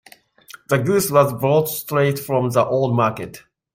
The goose was brought straight from the old market.